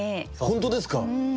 本当ですか？